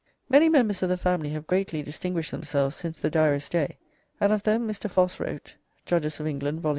Many members of the family have greatly distinguished themselves since the Diarist's day, and of them Mr. Foss wrote ("Judges of England," vol.